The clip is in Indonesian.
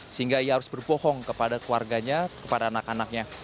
sehingga ia harus berbohong kepada keluarganya kepada anak anaknya